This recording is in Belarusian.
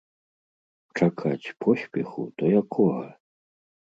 Чакаць поспеху, то якога?